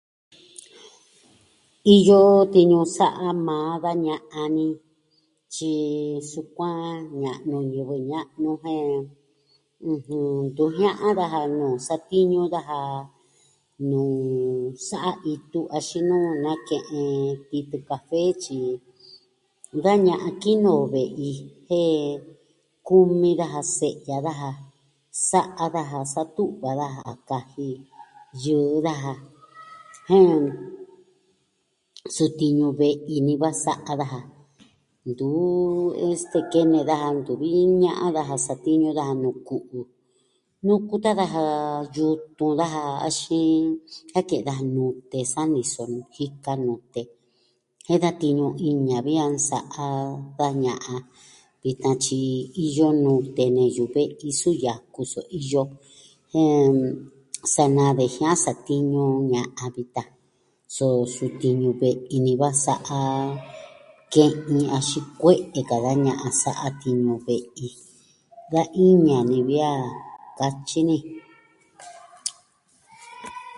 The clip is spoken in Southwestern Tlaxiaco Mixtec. Iyo tiñu sa'a maa da ña'an ni. Tyi sukuan ña'nu ñivɨ ña'nu jen ɨjɨn... Ntu jia'an daja nuu satiñu daja nuu sa'a itu axin nuu nake'en itu kafe, tyi da ña'an kinoo ve'i. Jen kumi daja se'ya daja. Sa'a daja, satu'va daja kaji yɨɨ daja. Jen suu tiñu ve'i ni va, sa'a daja. Ntu... este, kene daja. Ntuvi ña'an daja, satiñu daja nu ku'u. Nuku tan daja yutun daja axin a ke'en daja nute sa niso nuu jika nute jen da tiñu iin ña'an vi a nsa'a da ña'an vitan tyi iyo nute ne yu'u ve'i, su yaku so iyo. Jen sa naa ve jiaa satiñu ña'an vitan. So, suu tiñu ve'i ni va sa'a, ke'in axin kue'e ka da ña'a sa'a tiñu ve'i. Ka iin ña'an ni vi a katyi ni.